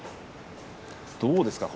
どうですか